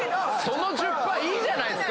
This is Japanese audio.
その１０％いいじゃない！